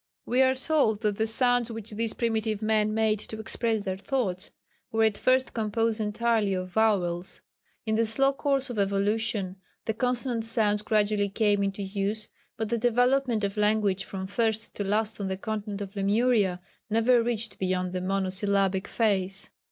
We are told that the sounds which these primitive men made to express their thoughts were at first composed entirely of vowels. In the slow course of evolution the consonant sounds gradually came into use, but the development of language from first to last on the continent of Lemuria never reached beyond the monosyllabic phase.